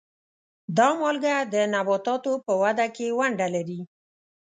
دا مالګه د نباتاتو په وده کې ونډه لري.